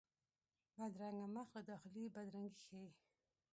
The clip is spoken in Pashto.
بدرنګه مخ له داخلي بدرنګي ښيي